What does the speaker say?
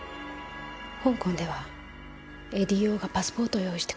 香港ではエディ・ヨーがパスポートを用意してくれてる。